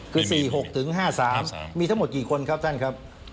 คือ๔๖๕๓มีทั้งหมดกี่คนครับท่านครับ